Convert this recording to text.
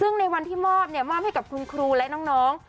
ในวันที่มอบมอบให้กับคุณครูและน้อง